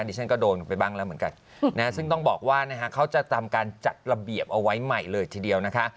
ดิฉันก็โดนไปบ้างแล้วเหมือนกันซึ่งต้องบอกว่าเขาจะทำการจัดระเบียบเอาไว้ใหม่เลยทีเดียวนะคะ